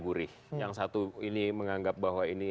gurih yang satu ini menganggap bahwa ini